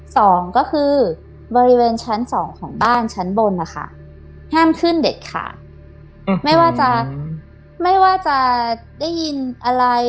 สองก็คือบริเวณชั้นสองของบ้านชั้นบนนะคะห้ามขึ้นเด็ดขาดไม่ว่าจะไม่ว่าจะได้ยินอะไร